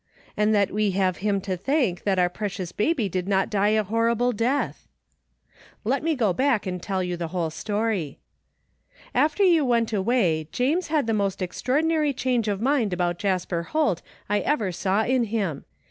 And that we have him to thank that our precious baby did not die a horrible death ? Let me go back and tell you the whole story. After you went away James had the most ex traordinary change of mind about Jasper Holt I ever saw in him.